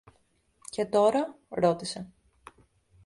Και τώρα; ρώτησε.